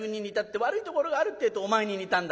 悪いところがあるってえとお前に似たんだって。